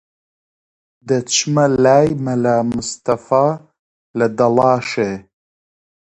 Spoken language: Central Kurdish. دەچمە لای مەلا مستەفا لە دەڵاشێ